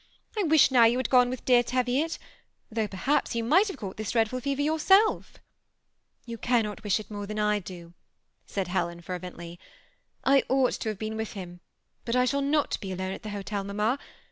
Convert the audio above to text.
I wish now you had gone with dear Teviot, though perhaps you might have caught this dreadful fever yourself." ^ You cannot wish it more than I do," said Helen, fervently. "I ought to have been with him; but I shall not be alone at the hotel, mamma.